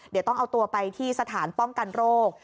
เดี๋ยวต้องเอาตัวไปที่สถานป้องกันโรค